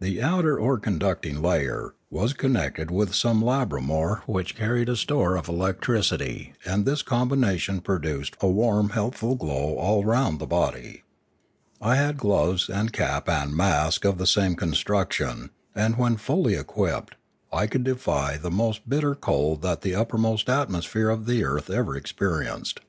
The outer or conducting layer was connected with some labraraor which carried a stoFe of electricity and this combination produced a warm, healthful glow all round the body. I had gloves and cap and mask of the same construction and, when fully equipped, I could defy the most bitter cold that the upper atmosphere of the earth ever experienced.